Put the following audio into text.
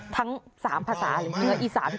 ทั้ง๓ภาษาหรือเมืองอีสานใต้